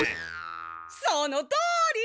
そのとおり！